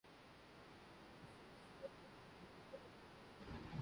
کیا اس مسئلے پر کسی کی توجہ ہے؟